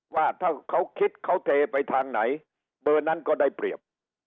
ว่าถ้าเขาคิดเขาเทไปทางไหนเบอร์นั้นก็ได้เปรียบ